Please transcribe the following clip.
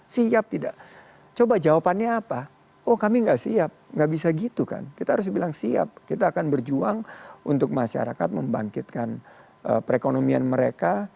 siap tidak coba jawabannya apa oh kami nggak siap nggak bisa gitu kan kita harus bilang siap kita akan berjuang untuk masyarakat membangkitkan perekonomian mereka